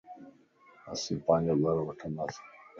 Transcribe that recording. اسين پانجو گھر وٺندياسين